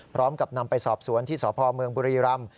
พร้อมกับนำไปสอบสวนที่สพเมืองบุรีรำ